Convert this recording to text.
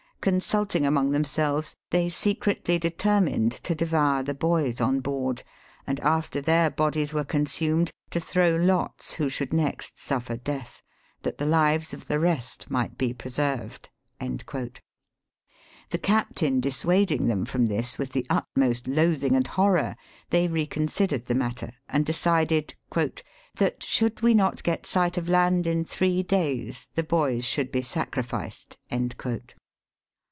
Consulting among themselves, they secretly determined to devour the boys on board, and after their bodies were consumed, to throw lots who should next suffer death, that the lives of the rest might be preserved." The captain dissuading them from this with the utmost loathing and horror, they reconsi dered the matter, and decided " that should we not get sight of land in three days, the boys should be sacrificed."